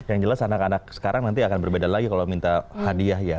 yang jelas anak anak sekarang nanti akan berbeda lagi kalau minta hadiah ya